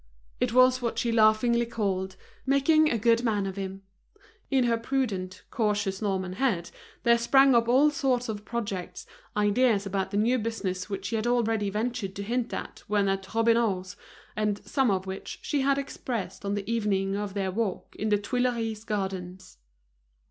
It was what she laughingly called "making a good man of him." In her prudent, cautious Norman head there sprang up all sorts of projects, ideas about the new business which she had already ventured to hint at when at Robineau's, and some of which she had expressed on the evening of their walk in the Tuileries gardens.